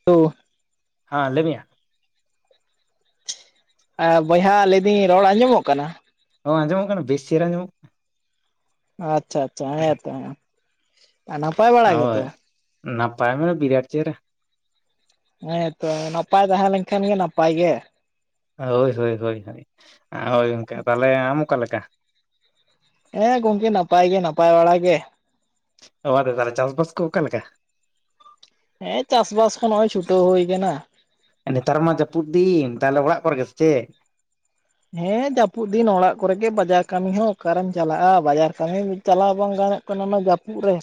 [inaudible] ᱦᱮᱸ ᱞᱟᱹᱭ ᱢᱮᱭᱟ ᱵᱚᱭᱦᱟ ᱞᱟᱹᱭᱫᱟᱹᱧ ᱨᱚᱲ ᱟᱸᱡᱚᱢᱚᱜ ᱠᱟᱱᱟ ᱦᱚᱸ ᱟᱸᱡᱚᱢᱚᱜ ᱠᱟᱱᱟ ᱵᱮᱥ ᱪᱮᱦᱨᱟ ᱟᱸᱡᱚᱢᱚᱜ ᱟᱪᱷᱟ, ᱟᱪᱪᱷᱟ ᱦᱮᱸ ᱛᱚ, ᱟᱨ ᱱᱟᱯᱟᱭ ᱠᱟᱱᱟ᱾ ᱵᱟᱲᱟ ᱦᱳᱭ ᱜᱮᱛᱚ? ᱱᱟᱯᱟᱭ ᱢᱟ ᱵᱤᱨᱟᱴ ᱪᱮᱦᱨᱟ ᱾ ᱦᱮᱸ ᱛᱚ ᱱᱟᱯᱟᱭ ᱛᱟᱦᱮᱸ ᱞᱮᱱ ᱠᱷᱟᱱ ᱜᱮ ᱱᱟᱯᱟᱭ ᱜᱮ ᱾ ᱦᱳᱭ, ᱦᱳᱭ, ᱦᱳᱭ, ᱦᱳᱭ ᱜᱚᱝᱠᱮ ᱚᱱᱠᱟ ᱛᱟᱦᱚᱞᱮ ᱟᱢ ᱚᱠᱟ ᱞᱮᱠᱟ? ᱦᱮᱸ ᱜᱚᱝᱠᱮ ᱱᱟᱯᱟᱭ ᱜᱮ, ᱱᱟᱯᱟᱭ ᱵᱟᱲᱟ ᱜᱮ ᱾ ᱚ ᱟᱨ ᱛᱟᱦᱚᱞᱮ ᱪᱟᱥᱵᱟᱥ ᱠᱚ ᱚᱠᱟ ᱞᱮᱠᱟ? ᱦᱮᱸ ᱪᱟᱥᱵᱟᱥ ᱦᱚᱸ ᱱᱚᱜᱼᱚᱭ ᱪᱷᱩᱴᱟᱹᱣ ᱦᱩᱭ ᱟᱠᱟᱱᱟ᱾ ᱱᱮᱛᱟᱨ ᱢᱟ ᱡᱟᱹᱯᱩᱫ ᱫᱤᱱ ᱛᱟᱦᱚᱞᱮ ᱚᱲᱟᱜ ᱠᱚ ᱨᱮ ᱜᱮ ᱥᱮ ᱪᱮᱫ? ᱦᱮᱸ ᱡᱟᱹᱯᱩᱫ ᱫᱤᱱ ᱚᱲᱟᱜ ᱠᱚᱨᱮ ᱜᱮ ᱵᱟᱡᱟᱨ ᱠᱟᱹᱢᱤ ᱦᱚᱸ ᱚᱠᱟᱨᱮᱢ ᱪᱟᱞᱟᱜᱼᱟ, ᱵᱟᱡᱟᱨ ᱠᱟᱹᱢᱤ ᱪᱟᱞᱟᱣ ᱵᱟᱝ ᱜᱟᱱᱚᱜ ᱠᱟᱱᱟ ᱚᱱᱟ ᱡᱟᱹᱯᱩᱫ ᱨᱮ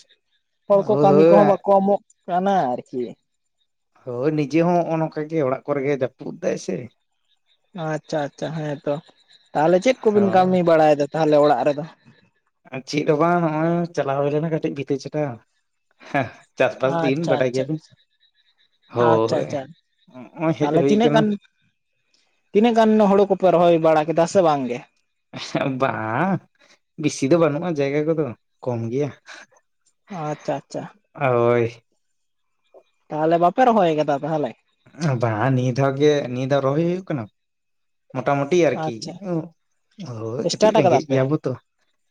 ᱦᱚᱲ ᱠᱚ ᱦᱳᱭ ᱠᱟᱹᱢᱤ ᱠᱚᱦᱚᱸ ᱦᱳᱭ ᱵᱟᱠᱚ ᱮᱢᱚᱜ ᱠᱟᱱᱟ ᱟᱨᱠᱤ ᱾ ᱦᱳᱭ ᱱᱤᱡᱮ ᱦᱚᱸ ᱱᱚᱜᱼᱚ ᱱᱚᱝᱠᱟ ᱜᱮ ᱚᱲᱟᱜ ᱠᱚᱨᱮ ᱜᱮ ᱡᱟᱹᱯᱩᱫ ᱫᱟᱭ ᱥᱮ ᱾ ᱟᱪᱪᱷᱟ, ᱟᱪᱪᱷᱟ ᱦᱮᱸ ᱛᱚ ᱛᱟᱦᱚᱞᱮ ᱪᱮᱫ ᱠᱚᱵᱤᱱ ᱦᱳᱭ ᱠᱟᱹᱢᱤ ᱵᱟᱲᱟᱭᱮᱫᱟ ᱛᱟᱦᱚᱞᱮ ᱚᱲᱟᱜ ᱨᱮᱫᱚ? ᱪᱮᱫ ᱦᱚᱸ ᱵᱟᱝ ᱱᱚᱜᱼᱚᱭ ᱪᱟᱞᱟᱣ ᱦᱩᱭ ᱞᱮᱱᱟ ᱠᱟᱹᱴᱤᱡ ᱵᱷᱤᱛᱟᱹ ᱪᱟᱴᱟᱣ ᱾ ᱪᱟᱥᱵᱟᱥ ᱫᱤᱱ ᱟᱪᱪᱷᱟ ᱵᱟᱰᱟᱭ ᱟᱪᱪᱷᱟ ᱜᱮᱭᱟ ᱵᱤᱱ ᱟᱪᱪᱷᱟ ᱦᱳᱭ ᱟᱪᱪᱷᱟ ᱱᱚᱜᱼᱚᱭ ᱦᱮᱡ ᱛᱟᱦᱚᱞᱮ ᱦᱩᱭ ᱛᱤᱱᱟᱹᱜ ᱠᱟᱱᱟ ᱜᱟᱱ ᱾ ᱛᱤᱱᱟᱹᱜ ᱜᱟᱱ ᱦᱳᱲᱳ ᱠᱚᱯᱮ ᱨᱚᱦᱚᱭ ᱵᱟᱲᱟ ᱠᱮᱫᱟ ᱥᱮ ᱵᱟᱝ ᱜᱮ ᱾ ᱵᱟᱝ ᱵᱮᱥᱤ ᱫᱚ ᱵᱟᱹᱱᱩᱜᱼᱟ, ᱡᱟᱭᱜᱟ ᱠᱚᱫᱚ ᱠᱚᱢ ᱜᱮᱭᱟ ᱾ ᱟᱪᱪᱷᱟ, ᱟᱪᱪᱷᱟ ᱾ ᱦᱳᱭ ᱾ ᱛᱟᱦᱚᱞᱮ ᱵᱟᱯᱮ ᱨᱚᱦᱚᱭ ᱟᱠᱟᱫᱟ ᱛᱟᱦᱚᱞᱮ? ᱵᱟᱝ ᱱᱤᱭᱟᱹ ᱫᱷᱟᱣ ᱜᱮ ᱱᱤᱭᱟᱹ ᱫᱷᱟᱣ ᱨᱚᱦᱚᱭ ᱦᱩᱭᱩᱜ ᱠᱟᱱᱟ ᱾ ᱢᱚᱴᱟ ᱢᱩᱴᱤ ᱟᱨᱠᱤ ᱟᱪᱪᱷᱟ ᱦᱳᱭ ᱥᱴᱟᱴ ᱠᱟᱹᱴᱤᱡ ᱠᱟᱫᱟ ᱨᱮᱸᱜᱮᱡ ᱯᱮ ᱜᱮᱭᱟ ᱵᱚ ᱛᱚ ᱾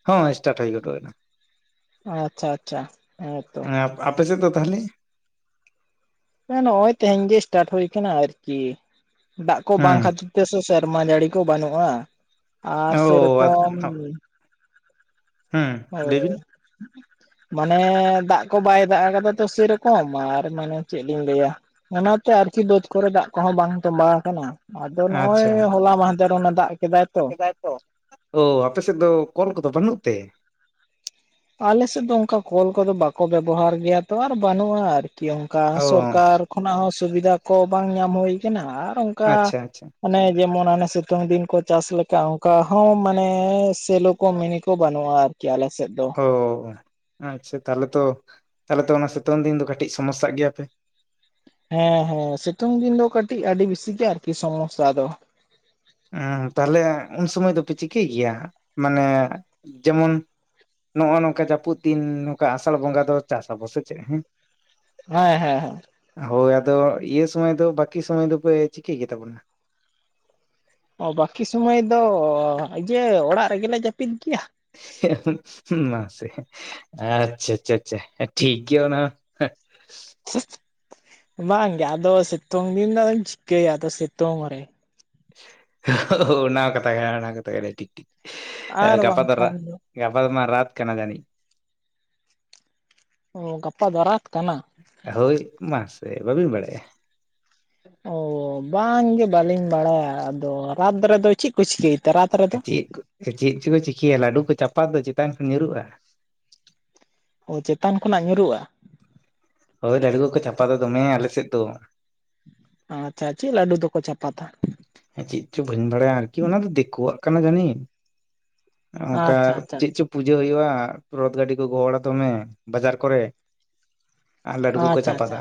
ᱦᱚᱸ ᱥᱴᱟᱨᱴ ᱦᱩᱭ ᱜᱚᱫᱚᱜ ᱠᱟᱱᱟ ᱾ ᱟᱪᱪᱷᱟ, ᱟᱪᱪᱷᱟ ᱦᱮᱸ ᱛᱚ ᱾ ᱟᱯᱮᱥᱮᱫ ᱫᱚ ᱛᱟᱦᱚᱞᱮ ᱱᱚᱜᱼᱚᱭ ᱛᱮᱦᱮᱧ ᱜᱮ ᱥᱴᱟᱨᱴ ᱦᱩᱭ ᱟᱠᱟᱱᱟ, ᱟᱨᱠᱤ ᱫᱟᱜ ᱠᱚ ᱵᱟᱝ ᱦᱮᱸ ᱠᱷᱟᱹᱛᱤᱨ ᱛᱮ ᱥᱮ ᱥᱮᱨᱢᱟ ᱡᱟᱹᱲᱤ ᱠᱚ ᱵᱟᱹᱱᱩᱜᱼᱟ, ᱟᱨ ᱚ ᱥᱮᱨᱚᱠᱚᱢ ᱦᱮᱸ ᱦᱳᱭ ᱾ ᱞᱟᱹᱭᱵᱤᱱ ᱢᱟᱱᱮ ᱫᱟᱜ ᱠᱚ ᱵᱟᱭ ᱫᱟᱜ ᱟᱠᱟᱫᱟ ᱛᱚ, ᱥᱮᱨᱚᱠᱚᱢ ᱟᱨ ᱢᱟᱱᱮ ᱪᱮᱫ ᱞᱤᱧ ᱞᱟᱹᱭᱟ ᱚᱱᱟᱛᱮ ᱟᱨᱠᱤ ᱵᱟᱹᱫ ᱠᱚᱨᱮ ᱫᱟᱜ ᱠᱚᱦᱚᱸ ᱵᱟᱝ ᱛᱚᱸᱵᱟ ᱟᱠᱟᱱᱟ ᱾ ᱟᱫᱚ ᱱᱚᱜᱼᱚᱭ ᱟᱪᱪᱷᱟ ᱦᱚᱞᱟ ᱢᱟᱫᱷᱮᱨ ᱚᱱᱟ ᱫᱟᱜ ᱠᱮᱫᱟᱭ ᱛᱚ [inaudible] ᱚ ᱟᱯᱮ ᱥᱮᱫ ᱫᱚ ᱠᱚᱞ ᱠᱚᱫᱚ ᱵᱟᱹᱱᱩᱜ ᱛᱮ? ᱟᱞᱮᱥᱮᱫ ᱫᱚ ᱚᱱᱠᱟ ᱠᱚᱞ ᱠᱚᱫᱚ ᱵᱟᱠᱚ ᱵᱮᱵᱚᱦᱟᱨ ᱜᱮᱭᱟ ᱛᱚ ᱟᱨ ᱵᱟᱹᱱᱩᱜᱼᱟ ᱟᱨᱠᱤ ᱚᱱᱠᱟ ᱚ ᱥᱚᱨᱠᱟᱨ ᱠᱷᱚᱱᱟᱜ ᱦᱚᱸ ᱥᱩᱵᱤᱫᱷᱟ ᱠᱚ ᱵᱟᱝ ᱧᱟᱢ ᱦᱩᱭ ᱠᱟᱱᱟ ᱟᱨ ᱚᱱᱠᱟ ᱟᱪᱪᱷᱟ ᱟᱪᱪᱷᱟ ᱚᱱᱮ ᱡᱮᱢᱚᱱ ᱢᱟᱱᱮ ᱥᱤᱛᱩᱝ ᱫᱤᱱ ᱠᱚ ᱪᱟᱥ ᱞᱮᱠᱟ ᱚᱱᱠᱟ ᱦᱚᱸ ᱢᱟᱱᱮ ᱥᱮᱞᱚ ᱠᱚ ᱢᱤᱱᱤ ᱠᱚ ᱵᱟᱹᱱᱩᱜᱼᱟ ᱟᱨᱠᱤ ᱟᱞᱮ ᱥᱮᱫ ᱫᱚ ᱾ ᱚ ᱟᱪᱪᱷᱟ ᱛᱟᱦᱚᱞᱮ ᱛᱚ ᱛᱟᱦᱚᱞᱮ ᱛᱚ ᱚᱱᱟ ᱥᱤᱛᱩᱝ ᱫᱤᱱ ᱫᱚ ᱠᱟᱹᱴᱤᱡ ᱥᱚᱢᱚᱥᱟᱜ ᱜᱮᱭᱟ ᱯᱮ? ᱦᱮᱸ ᱦᱮᱸ ᱥᱤᱛᱩᱝ ᱫᱤᱱ ᱫᱚ ᱠᱟᱹᱴᱤᱡ ᱟᱹᱰᱤ ᱵᱤᱥᱤ ᱜᱮᱭᱟ ᱟᱨᱠᱤ ᱥᱚᱢᱚᱥᱟ ᱫᱚ᱾ ᱛᱟᱦᱞᱮ ᱩᱱ ᱥᱚᱢᱟᱹᱭ ᱫᱚᱯᱮ ᱪᱤᱠᱟᱹᱭ ᱜᱮᱭᱟ ᱢᱟᱱᱮ ᱡᱮᱢᱚᱱ ᱱᱚᱜᱼᱚᱭ ᱱᱚᱝᱠᱟ ᱡᱟᱹᱯᱩᱫ ᱫᱤᱱ ᱱᱚᱝᱠᱟ ᱟᱥᱟᱲ ᱵᱚᱸᱜᱟ ᱫᱚ ᱪᱟᱥ ᱟᱵᱚ ᱥᱮ ᱪᱮᱫ ᱦᱮᱸ, ᱦᱮᱸ ᱦᱮᱸ ᱦᱮᱸ ᱦᱳᱭ ᱟᱫᱚ ᱤᱭᱟᱹ ᱥᱚᱢᱚᱭ ᱫᱚ ᱵᱟᱠᱤ ᱥᱚᱢᱚᱭ ᱫᱚᱯᱮ ᱪᱤᱠᱟᱹᱭ ᱜᱮᱛᱟ ᱵᱚᱱᱟ? ᱚ ᱵᱟᱹᱠᱤ ᱥᱩᱢᱚᱭ ᱫᱚ ᱤᱭᱟᱹ ᱚᱲᱟᱜ ᱨᱮᱜᱮᱞᱮ ᱡᱟᱹᱯᱤᱫ ᱜᱮᱭᱟ᱾ ᱢᱟᱥᱮ ᱟᱪᱪᱷᱟ ᱟᱪᱪᱷᱟ ᱟᱪᱪᱷᱟ ᱴᱷᱤᱠ ᱜᱮᱭᱟ ᱚᱱᱟ ᱦᱚᱸ᱾ [unintelligible] ᱵᱟᱝ ᱜᱮ ᱟᱫᱚ ᱥᱮᱛᱚᱝ ᱫᱤᱱ ᱫᱚ ᱟᱹᱧ ᱪᱤᱠ ᱟᱫᱚ ᱥᱮᱛᱚᱝ ᱨᱮ ᱚᱱᱟ ᱠᱟᱛᱷᱟ ᱜᱮ ᱚᱱᱟ ᱠᱟᱛᱷᱟ ᱜᱮ ᱴᱷᱤᱠ ᱴᱷᱟᱠ ᱟᱨ ᱜᱟᱯᱟ ᱛᱚᱨ ᱵᱟᱝᱠᱷᱟᱱ ᱫᱚ ᱜᱟᱯᱟ ᱫᱚ ᱢᱟ ᱨᱟᱛ ᱠᱟᱱᱟ ᱡᱟᱱᱤᱪ ᱚ ᱜᱟᱯᱟ ᱫᱚ ᱨᱟᱛ ᱠᱟᱱᱟ ᱾ ᱦᱳᱭ ᱢᱟᱥᱮ ᱵᱟᱹᱵᱤᱱ ᱵᱟᱲᱟᱭᱼᱟ? ᱚ ᱵᱟᱝᱜᱮ ᱵᱟᱹᱞᱤᱧ ᱵᱟᱲᱟᱭᱟ ᱟᱫᱚ ᱨᱟᱛ ᱨᱮᱫᱚ ᱪᱮᱫ ᱠᱚ ᱪᱤᱠᱟᱹᱭ ᱛᱮ ᱨᱟᱛ ᱨᱮᱫᱚ? ᱪᱮᱫ ᱠᱚ ᱪᱮᱫ ᱪᱚᱠᱚ ᱪᱤᱠᱟᱹᱤᱭᱟ ᱞᱟᱹᱰᱩ ᱠᱚ ᱪᱟᱯᱟᱫ ᱫᱚ ᱪᱮᱛᱟᱱ ᱠᱷᱚᱱ ᱧᱩᱨᱩᱜᱼᱟ᱾ ᱚ ᱪᱮᱛᱟᱱ ᱠᱷᱚᱱᱟᱜ ᱧᱩᱨᱩᱜᱼᱟ᱾ ᱦᱳᱭ ᱞᱟᱰᱩ ᱠᱚᱠᱚ ᱪᱷᱟᱯᱟᱫᱟ ᱫᱚᱢᱮ ᱟᱞᱮ ᱥᱮᱫ ᱫᱚ᱾ ᱟᱪᱪᱷᱟᱪ ᱪᱮᱫ ᱞᱟᱹᱰᱩ ᱫᱚᱠᱚ ᱪᱟᱯᱟᱛᱟ? ᱮ ᱪᱮᱫ ᱪᱚ ᱵᱟᱹᱧ ᱵᱟᱲᱟᱭᱟ ᱟᱨᱠᱤ ᱚᱱᱟ ᱫᱚ ᱫᱤᱠᱩᱣᱟᱜ ᱠᱟᱱᱟ ᱡᱟᱹᱱᱤᱪ, ᱚᱱᱠᱟ ᱟᱪᱪᱷᱟ ᱟᱪᱪᱷᱟ ᱪᱮᱫ ᱟᱪᱪᱷᱟ ᱪᱚ ᱯᱩᱡᱟᱹ ᱦᱩᱭᱩᱜᱼᱟ ᱨᱚᱫ ᱜᱟᱹᱰᱤ ᱠᱚ ᱜᱚᱦᱚᱲᱟ ᱫᱚᱢᱮ ᱵᱟᱡᱟᱨ ᱠᱚᱨᱮ᱾ ᱟᱨ ᱞᱟᱹᱰᱩ ᱠᱚᱠᱚ ᱟᱪᱪᱷᱟ ᱟᱪᱪᱷᱟ ᱪᱟᱯᱟᱫᱟ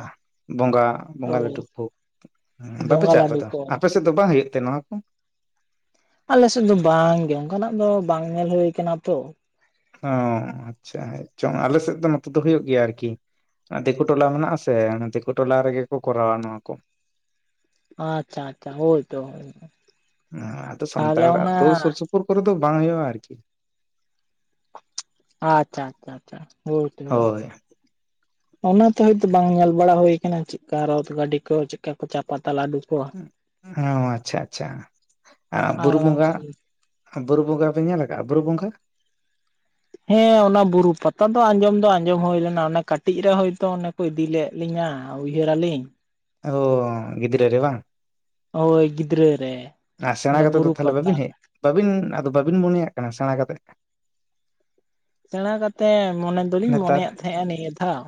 ᱵᱚᱸᱜᱟ ᱵᱚᱸᱜᱟ ᱞᱟᱹᱰᱩ ᱚ ᱠᱚ ᱾ ᱦᱮ ᱵᱟᱯᱮ ᱵᱚᱸᱜᱟ ᱪᱟ-ᱟ ᱞᱟᱹᱰᱩ ᱟᱯᱮᱫᱚ, ᱠᱚ ᱟᱯᱮ ᱥᱮᱫ ᱫᱚ ᱵᱟᱝ ᱦᱩᱭᱩᱜ ᱛᱮ ᱱᱚᱣᱟ ᱠᱚ? ᱟᱞᱮ ᱥᱮᱫ ᱫᱚ ᱵᱟᱝ ᱜᱮ ᱚᱱᱠᱟᱱᱟᱜ ᱫᱚ ᱵᱟᱝ ᱧᱮᱞ ᱦᱩᱭᱩ ᱠᱟᱱᱟ ᱛᱚ᱾ ᱚ ᱟᱪᱪᱷᱟ ᱪᱚᱝ ᱟᱞᱮ ᱥᱮᱫ ᱫᱚ ᱱᱚᱛᱮ ᱫᱚ ᱦᱩᱭᱩᱜ ᱜᱮᱭᱟ ᱟᱨᱠᱤ᱾ ᱫᱤᱠᱩ ᱴᱚᱞᱟ ᱢᱮᱱᱟᱜᱼᱟ ᱥᱮ ᱫᱤᱠᱩ ᱴᱚᱞᱟ ᱨᱮᱜᱮ ᱠᱚ ᱠᱚᱨᱟᱣᱟ ᱱᱚᱶᱟ ᱠᱚ᱾ ᱟᱪᱪᱷᱟ ᱟᱪᱪᱷᱟ ᱦᱳᱭᱛᱚ ᱦᱳ, ᱦᱮ ᱟᱫᱚ ᱥᱟᱱᱛᱟᱲ ᱟᱛᱩ ᱥᱩᱨ ᱥᱩᱯᱩᱨ ᱠᱚᱨᱮ ᱫᱚ ᱵᱟᱝ ᱦᱩᱭᱩᱜᱼᱟ ᱟᱨᱠᱤ᱾ ᱟᱪᱪᱷᱟ ᱟᱪᱪᱷᱟ ᱟᱪᱪᱷᱟ [inaudible] ᱦᱳᱭ ᱚᱱᱟᱛᱮ ᱦᱚᱭᱛᱚ ᱵᱟᱝ ᱧᱮᱞ ᱵᱟᱲᱟ ᱦᱩᱭᱩ ᱟᱠᱟᱱᱟ ᱪᱮᱫᱠᱟ ᱨᱚᱛ ᱜᱟᱹᱰᱤ ᱠᱚ ᱪᱮᱫᱠᱟ ᱠᱚ ᱪᱟᱯᱟᱛᱟ ᱞᱟᱹᱰᱩ? ᱠᱚ ᱚ ᱟᱪᱪᱷᱟ ᱟᱪᱪᱷᱟ ᱟᱨ ᱵᱩᱨᱩ ᱵᱚᱸᱜᱟ ᱵᱟᱝᱠᱷᱟᱱ ᱵᱩᱨᱩ ᱵᱚᱸᱜᱟ ᱯᱮ ᱧᱮᱞ ᱠᱟᱜᱼᱟ ᱵᱩᱨᱩ ᱵᱚᱸᱜᱟ? ᱦᱮᱸ ᱚᱱᱟ ᱵᱩᱨᱩ ᱯᱟᱛᱟ ᱫᱚ ᱟᱸᱡᱚᱢ ᱫᱚ ᱟᱸᱡᱚᱢ ᱦᱩᱭ ᱞᱮᱱᱟ ᱚᱱᱮ ᱠᱟᱹᱴᱤᱡ ᱨᱮ ᱦᱚᱭᱛᱚ ᱚᱱᱮ ᱠᱚ ᱤᱫᱤ ᱞᱮᱫ ᱞᱤᱧᱟ ᱾ ᱩᱭᱦᱟᱹᱨ ᱟᱞᱤᱧ ᱚ ᱜᱤᱫᱽᱨᱟᱹ ᱨᱮ ᱵᱟᱝ ᱾ ᱦᱳᱭ ᱜᱤᱫᱽᱨᱟᱹ ᱨᱮ ᱟᱨ ᱥᱮᱬᱟ ᱚᱱᱟ ᱠᱟᱛᱮᱫ ᱫᱚ ᱵᱩᱨᱩ ᱛᱟᱦᱚᱞᱮ ᱯᱟᱛᱟ ᱵᱟᱹᱵᱤᱱ ᱦᱮᱡ ᱵᱟᱹᱵᱤᱱ ᱟᱫᱚ ᱵᱟᱹᱵᱤᱱ ᱢᱚᱱᱮᱭᱟᱜ ᱠᱟᱱᱟ ᱥᱮᱬᱟ ᱠᱟᱛᱮᱮᱫ ᱥᱮᱬᱟ ᱠᱟᱛᱮᱫ ᱢᱚᱱᱮ ᱫᱚᱞᱤᱧ ᱱᱮᱛᱟᱨ ᱢᱚᱱᱮᱭᱮᱫ ᱛᱟᱦᱮᱸᱱᱟ ᱱᱤᱭᱟᱹ ᱫᱷᱟᱣ᱾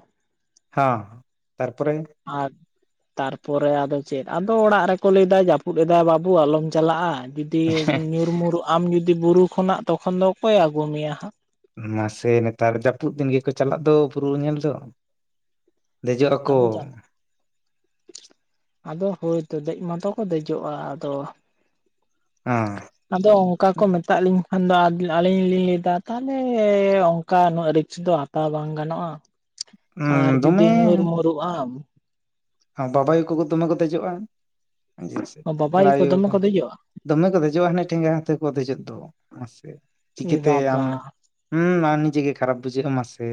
ᱦᱚᱸ ᱛᱟᱨᱯᱚᱨᱮ [unintelligible] ᱛᱟᱨᱯᱚᱨᱮ ᱟᱫᱚ ᱪᱮᱫ ᱟᱫᱚ ᱚᱲᱟᱜ ᱨᱮᱠᱚ ᱞᱟᱹᱭ ᱮᱫᱟ ᱡᱟᱹᱯᱩᱫ ᱮᱫᱟᱭ ᱵᱟᱹᱵᱩ ᱟᱞᱚᱢ ᱪᱟᱞᱟᱜᱼᱟ᱾ ᱡᱩᱫᱤ ᱧᱩᱨ ᱢᱩᱨ ᱟᱢ ᱡᱩᱫᱤ ᱵᱩᱨᱩ ᱠᱷᱚᱱᱟᱜ ᱛᱚᱠᱷᱚᱱ ᱫᱚ ᱚᱠᱚᱭ ᱟᱹᱜᱩ ᱢᱮᱭᱟ ᱦᱟᱸᱜ᱾ ᱢᱟᱥᱮ ᱱᱮᱛᱟᱨ ᱡᱟᱹᱯᱩᱫ ᱫᱤᱱ ᱜᱮᱠᱚ ᱪᱟᱞᱟᱜ ᱫᱚ ᱵᱩᱨᱩ ᱧᱮᱞ ᱫᱚ᱾ ᱫᱮᱡᱚᱜ ᱟᱠᱚ [inaudible] ᱟᱫᱚ ᱦᱳᱭᱛᱚ ᱫᱮᱡ ᱢᱟᱛᱚ ᱠᱚ ᱫᱮᱡᱚᱜᱼᱟ, ᱟᱫᱚ ᱦᱮᱸ ᱟᱫᱚ ᱚᱱᱠᱟ ᱠᱚ ᱢᱮᱛᱟᱜ ᱞᱤᱧᱟ᱾ ᱠᱷᱟᱱ ᱫᱚ ᱟᱫᱚ ᱟᱹᱞᱤᱧ ᱞᱤᱧ ᱞᱟᱹᱭ ᱮᱫᱟ ᱛᱟᱦᱚᱞᱮ ᱚᱝᱠᱟ ᱩᱱᱟᱹᱜ ᱨᱤᱠᱥ ᱫᱚ ᱦᱟᱛᱟᱣ ᱵᱟᱝ ᱜᱟᱱᱚᱜᱼᱟ᱾ ᱟᱨ ᱫᱚᱢᱮ ᱡᱩᱫᱤ ᱧᱩᱨ-ᱢᱩᱨᱩᱜ ᱟᱢ᱾ ᱦᱚᱸ ᱵᱟᱵᱟ ᱟᱭᱩ ᱠᱚᱠᱚ ᱫᱚᱢᱮ ᱠᱚ ᱫᱮᱡᱚᱜᱼᱟ, ᱵᱟᱵᱟᱭ ᱯᱮᱲᱟ ᱟᱭᱳ ᱫᱚᱢᱮ ᱠᱚ᱾ ᱫᱮᱡᱚᱜᱼᱟ ᱫᱚᱢᱮ ᱠᱚ ᱫᱮᱡᱚᱜᱼᱟ ᱦᱟᱱᱮ ᱴᱷᱮᱸᱜᱟ ᱟᱛᱮ ᱠᱚ ᱫᱮᱡᱚᱜ ᱫᱚ ᱢᱟᱥᱮ ᱮ ᱪᱤᱠᱟᱹᱛᱮ ᱟᱢ ᱵᱟᱵᱟ ᱦᱩᱸ ᱢᱟ ᱱᱤᱡᱮ ᱜᱮ ᱠᱷᱟᱨᱟᱯ ᱵᱩᱡᱷᱟᱹᱜᱼᱟ ᱢᱟᱥᱮ᱾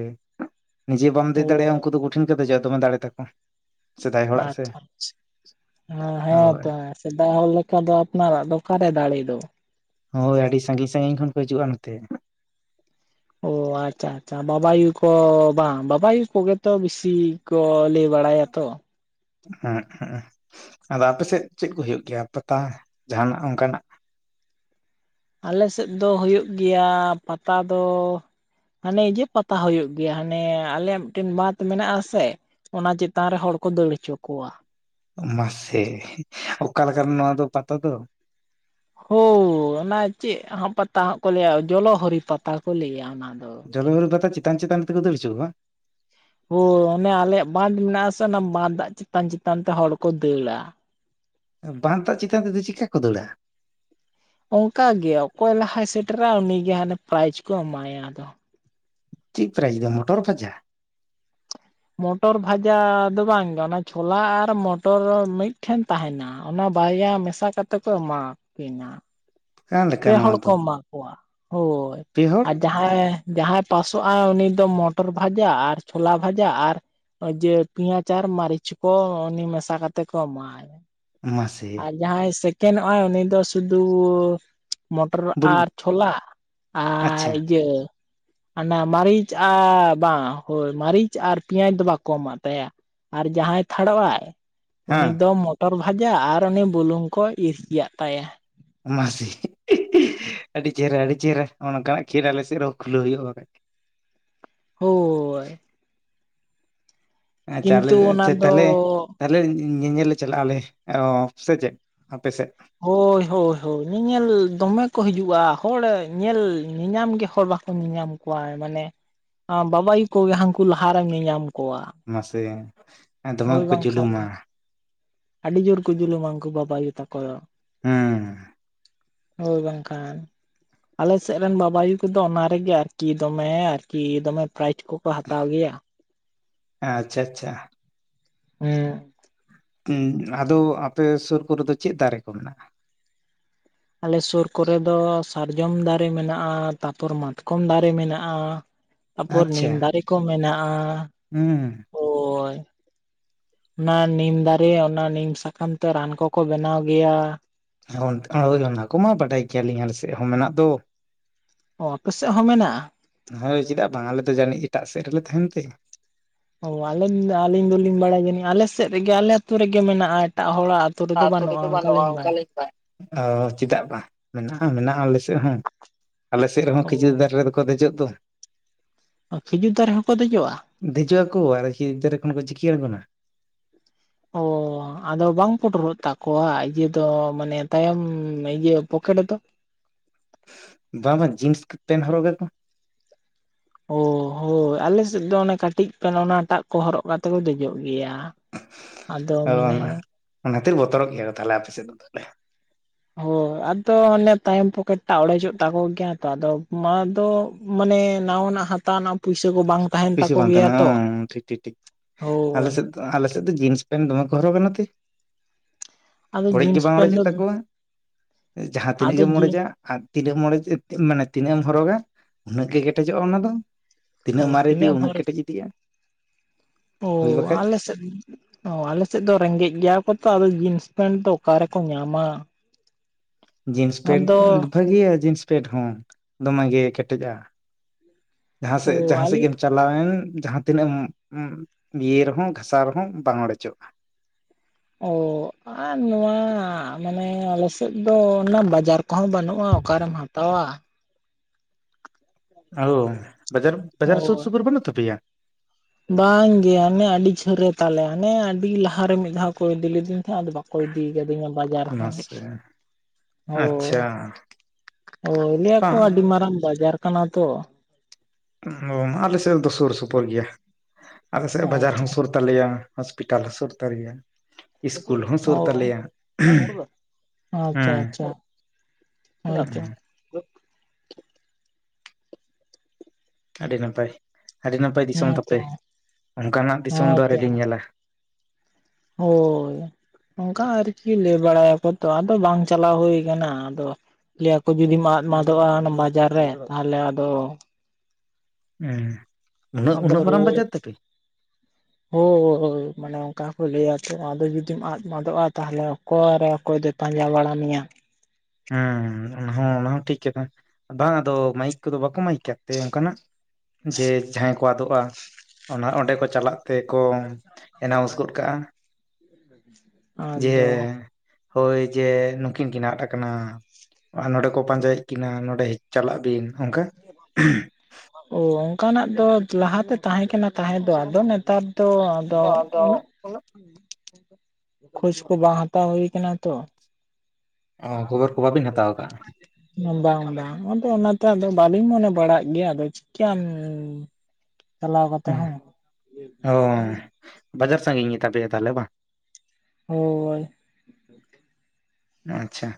ᱱᱤᱡᱮ ᱵᱟᱢ ᱚ ᱫᱟᱹᱭ ᱫᱟᱲᱮᱭᱟᱜᱼᱟ ᱩᱱᱠᱩ ᱫᱚ ᱠᱚ ᱠᱩᱴᱷᱤᱱ ᱠᱚ ᱫᱮᱡᱚᱜ-ᱟ ᱫᱚᱢᱮ ᱫᱟᱲᱮ ᱛᱟᱠᱚ᱾ ᱥᱮᱫᱟᱭ ᱦᱚᱲᱟᱜ ᱥᱮ ᱟᱪᱪᱷᱟ ᱦᱮᱸ ᱦᱳᱭ ᱛᱟ ᱥᱮᱫᱟᱭ ᱦᱚᱲ ᱞᱮᱠ ᱚᱱᱠᱟ ᱫᱚ ᱟᱯᱱᱟᱨᱟᱜ ᱫᱚ ᱟᱠᱟᱨᱮ ᱫᱟᱲᱮ ᱫᱚ᱾ ᱦᱳᱭ ᱟᱹᱰᱤ ᱥᱟᱺᱜᱤᱧ ᱥᱟᱺᱜᱤᱧ ᱠᱷᱚᱱ ᱠᱚ ᱦᱤᱡᱩᱜᱼᱟ ᱱᱚᱛᱮ᱾ ᱚ ᱟᱪᱪᱷᱟ ᱟᱪᱪᱷᱟ ᱵᱟᱵᱟᱭᱩ ᱠᱚ ᱵᱟᱝ ᱵᱟᱵᱟ ᱟᱭᱩ ᱠᱚᱜᱮᱛᱚ ᱵᱤᱥᱤ ᱠᱚ ᱞᱟᱹᱭ ᱵᱟᱲᱟᱭᱟ ᱛᱚ᱾ ᱦᱩᱸᱜ ᱦᱩᱸᱜ-ᱚ ᱟᱫᱚ ᱟᱯᱮᱥᱮᱫ ᱪᱮᱫ ᱠᱚ ᱦᱩᱭᱩᱜ ᱜᱮᱭᱟ ᱯᱟᱛᱟ ᱡᱟᱦᱟᱱᱟᱜ ᱚᱱᱠᱟᱱᱟᱜ᱾ ᱟᱞᱮᱥᱮᱫ ᱫᱚ ᱦᱳᱭᱜ ᱜᱮᱭᱟ ᱯᱟᱛᱟ ᱫᱚ ᱦᱟᱱᱮ ᱤᱭᱟᱹ ᱯᱟᱛᱟ ᱦᱳᱭᱳᱜ ᱜᱮᱭᱟ ᱦᱟᱱᱮ ᱟᱞᱮᱭᱟᱜ ᱢᱤᱫᱴᱮᱱ ᱵᱟᱸᱫᱷ ᱢᱮᱱᱟᱜ-ᱟ ᱥᱮ᱾ ᱚᱱᱟ ᱪᱮᱛᱟᱱ ᱨᱮ ᱦᱚᱲ ᱠᱚ ᱫᱟᱹᱲ ᱦᱚᱪᱚ ᱠᱚᱣᱟ᱾ ᱢᱟᱥᱮ ᱚᱠᱟ ᱞᱮᱠᱟᱱ ᱱᱚᱣᱟ ᱫᱚ ᱯᱟᱛᱟ ᱫᱚ? ᱦᱳ ᱚᱱᱟ ᱪᱮᱫ ᱦᱟᱸᱜ ᱯᱟᱛᱟ ᱦᱟᱸᱜ ᱠᱚ ᱞᱮᱭᱟ᱾ ᱚ ᱡᱚᱞᱚ ᱦᱚᱨᱤ ᱯᱟᱛᱟ ᱠᱚ ᱞᱮᱭᱟ ᱚᱱᱟ ᱫᱚ᱾ ᱡᱚᱞᱚ ᱦᱚᱨᱤ ᱯᱟᱛᱟ ᱪᱮᱛᱟᱱ ᱪᱤᱛᱟᱱ ᱛᱮᱠᱚ ᱫᱟᱹᱲ ᱦᱚᱪᱚ ᱠᱚᱣᱟ? ᱦᱳᱭ ᱚᱱᱮ ᱟᱞᱮᱭᱟᱜ ᱵᱟᱸᱫ ᱢᱮᱱᱟᱜ ᱟᱥᱮ ᱚᱱᱟ ᱵᱟᱸᱫᱟᱜ ᱪᱮᱛᱟᱱ ᱪᱮᱛᱟᱱ ᱛᱮ ᱦᱚᱲ ᱠᱚ ᱫᱟᱹᱲᱟ᱾ ᱵᱟᱸᱫᱷ ᱫᱟᱜ ᱪᱮᱛᱟᱱ ᱛᱮᱫᱚ ᱪᱤᱠᱟᱹ ᱠᱚ ᱫᱟᱹᱲᱟ? ᱚᱱᱠᱟ ᱜᱮ ᱚᱠᱚᱭ ᱞᱟᱦᱟᱭ ᱥᱮᱴᱮᱨᱟ ᱩᱱᱤᱜᱮ ᱦᱟᱱᱮ ᱯᱨᱟᱭᱤᱡᱽ ᱠᱚ ᱮᱢᱟᱭᱟ ᱟᱫᱚ᱾ ᱪᱮᱫᱽ ᱯᱨᱟᱭᱤᱥ ᱫᱚ ᱢᱚᱴᱚᱨ ᱵᱷᱟᱡᱟ᱾ ᱢᱚᱴᱚᱨ ᱵᱷᱟᱡᱟ ᱫᱚ ᱵᱟᱝ ᱜᱮ ᱚᱱᱟ ᱪᱷᱳᱞᱟ ᱟᱨ ᱢᱚᱴᱚᱨ ᱢᱤᱫᱴᱷᱮᱱ ᱛᱟᱸᱦᱮᱱᱟ ᱚᱱᱟ ᱵᱟᱨᱭᱟ ᱢᱮᱥ ᱢᱮᱥᱟ ᱠᱟᱛᱮ ᱠᱚ ᱮᱢᱟ ᱠᱤᱱᱟ᱾ ᱚᱠᱟ ᱞᱮᱠᱟ ᱯᱮ ᱱᱚᱣᱟ ᱦᱚᱲ ᱫᱚ ᱠᱚ ᱮᱢᱟ ᱠᱚᱣᱟ᱾ ᱦᱳᱭ ᱯᱮ ᱦᱚᱲ ᱟᱨ ᱡᱟᱦ ᱦᱟᱸᱭ ᱡᱟᱦᱟᱸᱭ ᱯᱟᱥᱚᱜ ᱟᱭ ᱩᱱᱤ ᱫᱚ ᱢᱚᱴᱚᱨ ᱵᱷᱟᱡᱟ ᱟᱨ ᱪᱷᱳᱞᱟ ᱵᱷᱟᱡᱟ ᱟᱨ ᱡᱮ ᱯᱮᱸᱭᱟᱡ ᱟᱨ ᱢᱟᱹᱨᱤᱪ ᱠᱚ ᱩᱱᱤ ᱢᱮᱥᱟ ᱠᱟᱛᱮ ᱠᱚ ᱮᱢᱟᱭᱟ᱾ ᱢᱟᱥᱮ᱾ ᱡᱟᱸᱦᱟᱸᱭ ᱥᱮᱠᱮᱱᱚᱜ-ᱟᱭ ᱩᱱᱤ ᱫᱚ ᱥᱩᱫᱩ ᱢᱚᱴᱚᱨ ᱵᱩᱞ ᱟᱨ ᱪᱷᱳᱚᱞᱟ ᱟᱨ ᱟᱪᱪᱷᱟ ᱤᱭᱟᱹ ᱚᱱᱟ ᱢᱟᱨᱤᱪ ᱟᱨ ᱵᱟᱝ ᱦᱳᱭ ᱢᱟᱨᱤᱪ ᱟᱨ ᱯᱮᱭᱟᱡᱽ ᱫᱚ ᱵᱟᱠᱚ ᱮᱢᱟᱛᱟᱭᱟ᱾ ᱟᱨ ᱡᱟᱦᱟᱸᱭ ᱛᱷᱟᱰᱚᱜ ᱟᱭ ᱩᱱᱤ ᱦᱮᱸ ᱫᱚ ᱢᱚᱴᱚᱨ ᱵᱷᱟᱡᱟ ᱟᱨ ᱩᱱᱤ ᱵᱩᱞᱩᱝ ᱠᱚ ᱤᱨᱪᱤᱭᱟᱜ ᱛᱟᱭᱟ᱾ ᱢᱟᱥᱮ ᱟᱹᱰᱤ ᱪᱮᱨᱦᱟ ᱟᱹᱰᱤ ᱪᱮᱨᱦᱟ ᱚᱱᱠᱟᱱᱟᱜ ᱠᱷᱮᱞ ᱟᱞᱮ ᱥᱮᱫ ᱨᱮᱦᱚᱸ ᱠᱷᱩᱞᱟᱹᱣ ᱦᱳᱭᱳᱜᱼᱟ ᱵᱟᱠᱷᱟᱡ᱾ ᱦᱳ᱾ ᱦᱳᱭ᱾ ᱪᱟᱞᱮ ᱠᱤᱱᱛᱩ ᱚᱱᱟ ᱪᱮᱫᱽ ᱫᱚ ᱛᱟᱦᱞᱮ᱾ ᱛᱟᱦᱚᱞᱮ ᱧᱮᱧᱮᱞ ᱞᱮ ᱪᱟᱞᱟᱜ-ᱟᱞᱮ ᱚ ᱥᱮ ᱪᱮᱫᱽ ᱟᱯᱮ ᱥᱮᱫ᱾ ᱦᱳᱭ ᱦᱳᱭ ᱦᱳᱭ ᱧᱮᱧᱮᱞ ᱫᱚᱢᱮ ᱠᱚ ᱦᱤᱡᱩᱜᱼᱟ ᱦᱚᱲ ᱧᱮᱞ ᱧᱮᱧᱟᱢ ᱜᱮ ᱦᱚᱲ ᱵᱟᱠᱚ ᱧᱮᱧᱟᱢ ᱠᱚᱣᱟᱭ ᱢᱟᱱᱮ ᱟᱸ ᱵᱟᱵᱟ ᱟᱭᱩ ᱠᱚᱜᱮ ᱦᱟᱹᱱᱠᱩ ᱞᱟᱦᱟᱨᱮᱢ ᱧᱮᱧᱟᱢ ᱠᱚᱣᱟ᱾ ᱢᱟᱥᱮ ᱫᱚᱢᱮ ᱜᱮᱠᱚ ᱡᱩᱞᱩᱢᱟ᱾ ᱟᱰᱤ ᱡᱳᱨ ᱠᱚ ᱡᱩᱞᱩᱢᱟ ᱩᱱᱠᱩ ᱵᱟᱵᱟᱭᱩ ᱛᱟᱠᱚ ᱫᱚ᱾ ᱦᱩᱸ ᱦᱩᱸ᱾ ᱦᱳᱭ ᱵᱟᱝᱠᱷᱟᱱ᱾ ᱟᱞᱮ ᱥᱮᱜ ᱨᱮᱱ ᱵᱟᱵᱟᱭᱩ ᱠᱚᱫᱚ ᱚᱱᱟ ᱨᱮᱜᱮ ᱟᱨᱠᱤ ᱫᱚᱢᱮ ᱟᱨᱠᱤ ᱫᱚᱢᱮ ᱯᱨᱟᱭᱤᱡᱽ ᱠᱚᱠᱚ ᱦᱟᱛᱟᱣ ᱜᱮᱭᱟ ᱾ ᱦᱮᱸ ᱟᱪᱪᱷᱟ ᱟᱪᱪᱷᱟ ᱾ ᱦᱩᱸ ᱾ [inaudible] ᱟᱫᱚ ᱟᱯᱮ ᱥᱳᱨ ᱠᱚᱨᱮ ᱫᱚ ᱪᱮᱜ ᱫᱟᱨᱮ ᱠᱚ ᱢᱮᱱᱟᱜᱼᱟ? ᱟᱞᱮ ᱥᱳᱨ ᱠᱚᱨᱮ ᱫᱚ ᱥᱟᱨᱡᱚᱢ ᱫᱟᱨᱮ ᱢᱮᱱᱟᱜᱼᱟ ᱛᱟᱨᱯᱚᱨ ᱢᱟᱛᱠᱚᱢ ᱫᱟᱨᱮ ᱢᱮᱱᱟᱜᱼᱟ ᱾ ᱛᱟᱨᱯᱚᱨ ᱱᱤᱢ ᱟᱪᱪᱷᱟ ᱫᱟᱨᱮ ᱠᱚ ᱢᱮᱱᱟᱜᱼᱟ ᱾ [inaudible] ᱳᱭ ᱾ ᱚᱱᱟ ᱱᱤᱢ ᱫᱟᱨᱮ ᱚᱱᱟ ᱱᱤᱢ ᱥᱟᱠᱟᱢ ᱛᱮ ᱨᱟᱱ ᱠᱚᱠᱚ ᱵᱮᱱᱟᱣ ᱜᱮᱭᱟ ᱾ [unintelligible] ᱚᱱᱟ ᱠᱚᱢᱟ ᱵᱟᱰᱟᱭ ᱠᱮᱭᱟᱞᱤᱧ ᱟᱞᱮ ᱥᱮᱫ ᱦᱚᱸ ᱢᱮᱱᱟᱜ ᱫᱚ ᱾ ᱚ ᱟᱯᱮ ᱥᱮᱜ ᱦᱚᱸ ᱢᱮᱱᱟᱜᱼᱟ? ᱦᱳᱭ ᱪᱮᱫᱟᱜ ᱵᱟᱝ ᱟᱞᱮ ᱫᱚ ᱡᱟᱹᱱᱤᱡ ᱮᱴᱟᱜ ᱥᱮᱫ ᱨᱮᱞᱮ ᱛᱟᱦᱮᱱ ᱛᱮ ᱾ ᱚ ᱟᱞᱮᱢ ᱟᱹᱞᱤᱧ ᱫᱚᱞᱤᱧ ᱵᱟᱲᱟᱭ ᱡᱟᱹᱱᱤᱡ ᱟᱞᱮ ᱥᱮᱫ ᱨᱮᱜᱮ ᱟᱞᱮ ᱟᱛᱳ ᱨᱮᱜᱮ ᱢᱮᱱᱟᱜᱼᱟ ᱮᱴᱟᱜ ᱦᱚᱲᱟᱜ ᱾ ᱟᱛᱳᱨᱮ ᱜᱮ ᱵᱟᱱᱩᱜ ᱟ ᱚᱱᱠᱟ ᱞᱮᱠᱟ [inaudible] ᱪᱮᱫᱟᱜ ᱵᱟ ᱢᱮᱱᱟᱜᱼᱟ ᱢᱮᱱᱟᱜᱼᱟ ᱟᱞᱮ ᱥᱮᱫ ᱦᱚᱸ ᱾ ᱟᱞᱮᱥᱮᱫ ᱨᱮᱦᱚᱸ ᱠᱷᱤᱡᱩᱨ ᱫᱟᱨᱮ ᱨᱮᱫᱚᱠᱚ ᱫᱮᱡᱚᱜ ᱫᱚ ᱾ ᱚ ᱠᱷᱤᱡᱩᱨ ᱫᱟᱨᱮ ᱦᱚᱸᱠᱚ ᱫᱮᱡᱚᱜᱼᱟ? ᱫᱮᱡᱚᱜ ᱟᱠᱚ ᱟᱨᱠᱤ ᱤᱡ ᱫᱟᱨᱮ ᱠᱷᱚᱱ ᱠᱚ ᱡᱤᱠᱤ ᱟᱲᱜᱚᱱᱟ᱾ ᱚᱻ ᱟᱫᱚ ᱵᱟᱝ ᱯᱚᱴᱚᱨᱚᱜ ᱛᱟᱠᱚᱣᱟ ᱤᱭᱟᱹ ᱫᱚ ᱢᱟᱱᱮ ᱛᱟᱭᱚᱢ ᱤᱭᱟᱹ ᱯᱚᱠᱮᱴ ᱫᱚ? ᱵᱟᱝ ᱵᱟᱝ ᱡᱤᱱᱥ ᱯᱮᱱᱴ ᱦᱚᱨᱚᱜ ᱠᱟᱛᱮᱫᱚ ᱻ ᱳᱻ ᱦᱳᱭ ᱟᱞᱮᱮᱥᱮᱫ ᱫᱚ ᱚᱱᱮ ᱠᱟᱹᱴᱤᱡ ᱯᱮᱱ ᱚᱱᱟᱴᱟᱜ ᱠᱚ ᱦᱚᱨᱚᱜ ᱠᱟᱛᱮ ᱠᱚ ᱫᱮᱡᱚᱜ ᱜᱮᱭᱟ᱾ ᱟᱫᱚ ᱚ ᱢᱟᱱᱮ ᱵᱟᱝᱼᱟ ᱚᱱᱟ ᱛᱤᱨ ᱵᱚᱛᱚᱨᱚᱜ ᱜᱮᱭᱟ ᱠᱚ ᱛᱷᱟᱞᱮ ᱟᱯᱮ ᱥᱮᱫ ᱫᱚ ᱛᱷᱟᱞᱮ ᱾ ᱦᱳ ᱟᱫᱚ ᱚᱱᱮ ᱛᱟᱭᱚᱢ ᱯᱚᱠᱮᱴ ᱴᱟᱜ ᱚᱲᱮᱡᱚᱜ ᱛᱟᱠᱚ ᱜᱮᱭᱟ ᱛᱚ ᱟᱫᱚ ᱢᱟ ᱫᱚ ᱾ ᱢᱟᱱᱮ ᱱᱟᱣᱟᱱᱟᱜ ᱦᱟᱛᱟᱣ ᱱᱟᱜ ᱯᱩᱭᱥᱟᱹ ᱠᱚ ᱵᱟᱝ ᱛᱟᱦᱮᱱ ᱯᱩᱭᱥᱟ ᱛᱟᱠᱚ ᱵᱟᱝ ᱜᱮᱭᱟ ᱛᱟᱦᱮᱱᱟ ᱛᱚ ᱦᱮᱸ ᱴᱷᱤᱠ ᱴᱷᱤᱠ ᱴᱷᱤᱠ ᱟᱞᱮ ᱦᱳᱭ ᱥᱮᱫ ᱟᱞᱮ ᱥᱮᱫ ᱫᱚ ᱡᱤᱱᱥ ᱯᱮᱱᱴ ᱫᱚᱢᱮ ᱦᱚᱨᱚᱜᱟ ᱱᱟᱛᱮ ᱾ ᱟᱫᱚ ᱚᱲᱮᱡ ᱜᱮ ᱡᱤᱱᱥ ᱵᱟᱝ ᱯᱮᱱᱴ ᱚᱲᱮᱡᱚᱜ ᱫᱚ ᱛᱟᱠᱚᱣᱟ ᱡᱟᱦᱟᱸ ᱛᱤᱱᱟᱹᱜ ᱟᱫᱚ ᱜᱮᱢ ᱡᱤᱱᱥ ᱚᱲᱮᱡᱟ ᱾ ᱟᱨ ᱛᱤᱱᱟᱹᱜ [inaudible] ᱢᱟᱱᱮ ᱛᱤᱱᱟᱹᱜ ᱮᱢ ᱦᱚᱨᱚᱜᱟ ᱩᱱᱟᱹᱜ ᱜᱮ ᱠᱮᱴᱮᱡᱚᱜᱼᱟ ᱚᱱᱟ ᱫᱚ ᱛᱤᱱᱟᱹᱜ ᱢᱟᱨᱮ [unintelligible] ᱾ ᱳᱻ ᱦᱳᱭ ᱵᱟᱠᱷᱟᱡ ᱟᱞᱮ ᱥᱮᱫ ᱚ ᱟᱞᱮ ᱥᱮᱫ ᱫᱚ ᱨᱮᱸᱜᱮᱡ ᱜᱮᱭᱟ ᱠᱚ ᱛᱚ ᱟᱫᱚ ᱡᱤᱱᱥ ᱯᱮᱱᱴ ᱫᱚ ᱚᱠᱟ ᱨᱮᱠᱚ ᱧᱟᱢᱟ᱾ ᱡᱤᱱᱥ ᱯᱮᱱᱴ ᱟᱫᱚ ᱵᱷᱟᱹᱜᱤᱭᱟ ᱡᱤᱱᱥ ᱯᱮᱱᱴ ᱦᱚᱸ ᱫᱚᱢᱮᱜᱮ ᱠᱮᱴᱮᱡᱼᱟ᱾ ᱡᱟᱦᱟᱸ ᱚ ᱥᱮᱜ ᱡᱟᱦᱟᱸ ᱥᱮᱫ ᱟᱞᱮ ᱜᱮᱢ ᱪᱟᱞᱟᱣᱮᱱ ᱡᱟᱦᱟᱸ ᱛᱤᱱᱟᱹᱜ ᱮᱢ ᱤᱭᱟᱭ ᱨᱮᱦᱚᱸ ᱜᱷᱟᱥᱟᱣ ᱨᱮᱦᱚᱸ ᱵᱟᱝ ᱚᱲᱮᱡᱚᱜᱼᱟ᱾ ᱚ ᱟᱨ ᱱᱚᱣᱟ ᱟᱜ ᱢᱟᱱᱮ ᱟᱞᱮᱥᱮᱫ ᱫᱚ ᱚᱱᱟ ᱵᱟᱡᱟᱨ ᱠᱚᱦᱚᱸ ᱵᱟᱹᱱᱩᱜᱼᱟ ᱚᱠᱟᱨᱮᱢ ᱦᱟᱛᱟᱣᱟ ᱾ ᱟᱣᱳ ᱵᱟᱡᱟᱨ ᱵᱟᱡᱟᱨ ᱥᱩᱨ ᱦᱳᱭ ᱥᱩᱯᱩᱨ ᱵᱟᱹᱱᱩᱜ ᱛᱟᱯᱮᱭᱟ? ᱵᱟᱝ ᱜᱮ ᱦᱟᱱᱮ ᱟᱹᱰᱤ ᱡᱷᱟᱹᱞ ᱨᱮ ᱛᱟᱞᱮ ᱦᱟᱱᱮ ᱟᱹᱰᱤ ᱞᱟᱦᱟᱨᱮ ᱢᱤᱫ ᱫᱷᱟᱣ ᱠᱚ ᱤᱫᱤ ᱞᱤᱫᱤᱧ ᱛᱟᱦᱮᱸᱫ ᱟᱫᱚ ᱵᱟᱝ ᱾ ᱠᱚ ᱤᱫᱤ ᱠᱟᱫᱤᱧᱟ ᱵᱟᱡᱟᱨ ᱦᱚᱸ᱾ ᱢᱟᱥᱮ ᱟᱪᱪᱷᱟ [inaudible] ᱚ ᱞᱮᱭ ᱟᱠᱚ ᱵᱟᱝ ᱟᱹᱰᱤ ᱢᱟᱨᱟᱝ ᱵᱟᱡᱟᱨ ᱠᱟᱱᱟ ᱛᱚ᱾ [inaudible] ᱟᱞᱮ ᱥᱮᱫ ᱨᱮᱫᱚ ᱥᱳᱨ ᱥᱳᱯᱩᱨ ᱜᱮᱭᱟ ᱟᱞᱮᱥᱮᱫ ᱵᱟᱡᱟᱨ ᱦᱚᱸ ᱟᱪᱪᱷᱟ ᱥᱳᱨ ᱛᱟᱞᱮᱭᱟ ᱦᱚᱥᱯᱤᱴᱟᱞ ᱦᱚᱸ ᱥᱳᱨ ᱛᱟᱨᱭᱟ᱾ [unintelligible] ᱚ ᱟᱪᱪᱷᱟ ᱦᱮᱸ ᱟᱪᱪᱷᱟ ᱾ ᱚᱱᱟᱛᱮ ᱦᱮᱸ ᱟᱹᱰᱤ ᱱᱟᱯᱟᱭ ᱟᱹᱰᱤ ᱱᱟᱯᱟᱭ ᱫᱤᱥᱚᱢ ᱦᱮᱸᱛᱚ ᱛᱟᱯᱮ ᱚᱱᱠᱟᱱᱟᱜ ᱫᱤᱥᱚᱢ ᱫᱚ ᱦᱮᱸᱛᱚ ᱟᱣᱨᱤᱞᱤᱧ ᱧᱮᱞᱟ᱾ ᱦᱳᱭ, ᱚᱝᱠᱟ ᱟᱨᱠᱤ ᱞᱟᱹᱭ ᱵᱟᱲᱟᱭᱟᱠᱚ ᱛᱚ ᱟᱫᱚ ᱵᱟᱝ ᱪᱟᱞᱟᱣ ᱦᱩᱭᱩ ᱠᱟᱱᱟ, ᱟᱫᱚ ᱞᱟᱹᱭᱟᱠᱚ ᱡᱩᱫᱤᱢ ᱟᱫ ᱢᱟᱫᱚᱼᱟ ᱚᱱᱟ ᱵᱟᱡᱟᱨ ᱨᱮ ᱛᱟᱦᱚᱞᱮ ᱟᱫᱚ ᱩᱸ ᱩᱱᱟᱹᱜ ᱟᱫᱚ ᱩᱱᱟᱹᱜ ᱢᱟᱨᱟᱝ ᱨᱩᱣᱟᱹᱲ ᱵᱟᱡᱟᱨ ᱛᱟᱯᱮ? ᱦᱳᱭ ᱢᱟᱱᱮ ᱚᱱᱠᱟ ᱠᱚ ᱞᱟᱹᱭᱟ ᱪᱮᱫ ᱟᱫᱚ ᱡᱩᱫᱤᱢ ᱟᱫ ᱢᱫᱚᱜᱼᱟ ᱛᱟᱦᱚᱞᱮ ᱠᱚᱣᱟ ᱨᱮ ᱚᱠᱚᱭ ᱫᱚᱭ ᱯᱟᱸᱡᱟ ᱵᱟᱲᱟ ᱢᱮᱭᱟ᱾ ᱦᱩᱸ ᱚᱱᱟ ᱦᱚᱸ ᱚᱱᱟ ᱦᱚᱸ ᱴᱷᱤᱠ ᱜᱮ, ᱵᱟᱝ ᱟᱫᱚ ᱢᱟᱹᱭᱤᱠ ᱠᱚᱫᱚ ᱵᱟᱠᱚ ᱢᱟᱹᱭᱤᱠ ᱠᱟᱜ ᱛᱮ ᱚᱱᱠᱟᱱᱟᱜ? ᱡᱮ ᱡᱟᱦᱟᱸᱭ ᱠᱚ ᱟᱫᱚᱜᱼᱟ ᱚᱱᱟ ᱚᱸᱰᱮ ᱠᱚ ᱪᱟᱞᱟᱜ ᱛᱮᱠᱚ ᱮᱱᱟᱣᱩᱱᱥ ᱜᱚᱫ ᱠᱟᱫᱼᱟ ᱡᱮ ᱟᱫᱚ ᱦᱳᱭ ᱡᱮ ᱱᱩᱠᱤᱱ ᱠᱤᱱ ᱟᱫᱽ ᱠᱟᱱᱟ ᱱᱚᱰᱮ ᱠᱚ ᱯᱟᱸᱡᱟᱭᱮᱫ ᱠᱤᱱᱟ ᱱᱚᱰᱮ ᱪᱟᱞᱟᱜ ᱵᱤᱱ ᱚᱝᱠᱟ? ᱚ ᱚᱱᱠᱟᱱᱟᱜ ᱫᱚ ᱞᱟᱦᱟᱛᱮ ᱛᱟᱦᱮᱸ ᱠᱟᱱᱟ ᱛᱟᱦᱮᱸ ᱫᱚ ᱟᱫᱚ ᱱᱮᱛᱟᱨ ᱫᱚ ᱫᱚ ᱩᱱᱟᱹᱜ ᱠᱷᱚᱡᱽ ᱠᱚ ᱵᱟᱝ ᱦᱟᱛᱟᱣ ᱦᱩᱭ ᱠᱟᱱᱟ ᱛᱚ᱾ ᱚ ᱠᱷᱚᱵᱚᱨ ᱠᱚ ᱵᱟᱟᱹᱵᱤᱱ ᱦᱟᱛᱟᱣ ᱠᱟᱜᱼᱟ? ᱵᱟᱝ ᱵᱟᱝ ᱟᱫᱚ ᱚᱱᱟᱛᱮ ᱟᱫᱚ ᱵᱟᱞᱤᱧ ᱢᱚᱱᱮ ᱵᱟᱲᱟᱜ ᱜᱮᱭᱟ, ᱟᱫᱚ ᱪᱤᱠᱟᱭᱟᱢ ᱩᱸ ᱪᱟᱞᱟᱣ ᱠᱟᱛᱮ ᱦᱚᱸ᱾ ᱦᱳᱭ ᱵᱟᱡᱟᱨ ᱥᱟᱺᱜᱤᱧ ᱜᱮᱛᱟ ᱯᱮᱭᱟ ᱛᱟᱦᱚᱞᱮ ᱵᱟᱝ? ᱦᱳᱭ᱾ ᱟᱪᱪᱷᱟ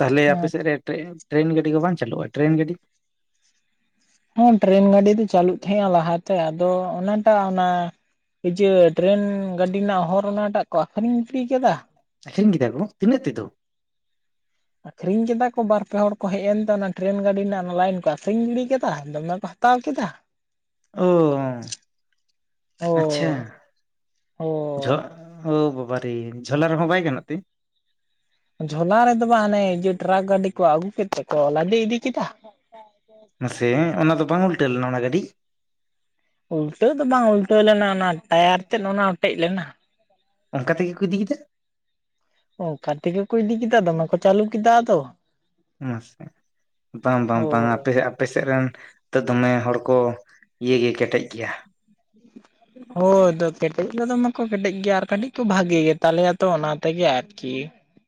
ᱛᱟᱦᱞᱮ ᱟᱯᱮ ᱥᱮᱫ ᱨᱮ ᱴᱨᱮᱱ ᱴᱨᱮᱱ ᱜᱟᱹᱰᱤ ᱠᱚ ᱵᱟᱝ ᱪᱟᱹᱩᱜᱼᱟ ᱴᱨᱮᱱ ᱜᱟᱹᱰᱤ? ᱦᱮᱸ ᱴᱨᱮᱱ ᱜᱟᱹᱰᱤ ᱫᱚ ᱪᱟᱹᱞᱩᱜ ᱛᱟᱦᱮᱸᱼᱟ ᱞᱟᱦᱟᱛᱮ, ᱟᱫᱚ ᱚᱱᱟᱴᱟᱜ ᱚᱱᱟ ᱡᱮ ᱴᱨᱮᱱ ᱜᱟᱹᱰᱤ ᱨᱮᱱᱟᱜ ᱦᱚᱨ ᱚᱱᱟᱴᱟᱜ ᱠᱚ ᱟᱠᱷᱨᱤᱧ ᱜᱤᱰᱤ ᱠᱟᱫᱟ᱾ ᱟᱠᱷᱨᱤᱧ ᱠᱮᱫᱟ ᱠᱚ ᱛᱤᱱᱟᱹᱜ ᱛᱮᱫᱚ? ᱟᱠᱷᱨᱤᱧ ᱠᱮᱫᱟ ᱠᱚ ᱵᱟᱨ ᱯᱮ ᱦᱚᱲ ᱠᱚ ᱦᱮᱡ ᱮᱱᱛᱮ ᱚᱱᱟ ᱴᱨᱮᱱ ᱜᱟᱹᱰᱤ ᱨᱮᱱᱟᱜ ᱚᱱᱟ ᱞᱟᱭᱤᱱ ᱠᱚ ᱟᱠᱷᱨᱤᱧ ᱜᱤᱰᱤ ᱠᱟᱫᱟ ᱫᱚᱢᱮ ᱠᱚ ᱦᱟ ᱛᱟᱣ ᱠᱮᱫᱟ᱾ ᱚ ᱟᱪᱪᱷᱟ ᱦᱳᱭ ᱡᱷᱚ ᱦᱳᱭ ᱚ ᱵᱟᱵᱟᱨᱮ ᱡᱷᱚᱞᱟ ᱨᱮᱦᱚᱸ ᱵᱟᱭ ᱜᱟᱱᱚᱜ ᱛᱮ? ᱡᱷᱚᱞᱟ ᱨᱮᱫᱚ ᱵᱟᱝ ᱟᱱᱮ ᱴᱨᱟᱠ ᱜᱟᱹᱰᱤ ᱠᱚ ᱟᱹᱜᱩ ᱠᱮᱫ ᱛᱮᱠᱚ ᱞᱟᱫᱮ ᱤᱫᱤ ᱠᱮᱫᱟ᱾ ᱢᱟᱥᱮ ᱚᱱᱟ ᱫᱚ ᱵᱟᱝ ᱩᱞᱴᱟᱹᱣ ᱞᱮᱱᱟ ᱚᱱᱟ ᱜᱟᱹᱰᱤ? ᱩᱞᱴᱟᱹᱣ ᱫᱚ ᱵᱟᱝ ᱩᱞᱴᱟᱹᱣ ᱞᱮᱱᱟ ᱚᱱᱟ ᱴᱟᱭᱟᱨ ᱛᱮᱫ ᱚᱱᱟ ᱚᱴᱮᱡ ᱞᱮᱱᱟ᱾ ᱚᱝᱠᱟ ᱛᱮᱜᱮ ᱠᱚ ᱤᱫᱤ ᱠᱮᱫᱟ? ᱚᱝᱠᱟ ᱛᱮᱜᱮ ᱠᱚ ᱤᱫᱤ ᱠᱮᱫᱟ ᱫᱚᱢᱮ ᱠᱚ ᱪᱟᱹᱞᱩ ᱠᱮᱫᱟ ᱟᱫᱚ᱾ ᱢᱟᱥᱮ ᱵᱟᱝ ᱵᱟᱝ ᱵᱟᱝ ᱦᱳᱭ ᱟᱯᱮ ᱟᱯᱮ ᱥᱮᱫ ᱨᱮᱱ ᱛᱚ ᱫᱚᱢᱮ ᱦᱚᱲ ᱠᱚ ᱤᱭᱟᱹ ᱜᱮ ᱠᱮᱴᱮᱡ ᱜᱮᱭᱟ᱾ ᱦᱳᱭ ᱠᱮᱴᱮᱡ ᱫᱚ ᱫᱚᱢᱮ ᱠᱚ ᱠᱮᱴᱮᱡ ᱜᱮᱭᱟ ᱟᱨ ᱠᱟᱹᱴᱤᱡ ᱠᱚ ᱵᱷᱟᱜᱤ ᱜᱮᱛᱟᱞᱮᱭᱟ ᱛᱚ ᱚᱱᱟ ᱛᱮᱜᱮ ᱟᱨᱠᱤ᱾